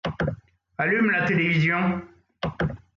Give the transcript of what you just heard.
Allume la télévision.